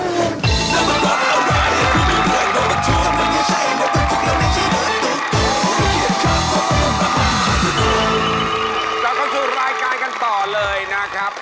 เราเข้าสู่รายการกันต่อเลยนะครับ